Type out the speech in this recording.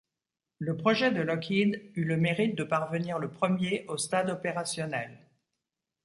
Le projet de Lockheed eut le mérite de parvenir le premier au stade opérationnel.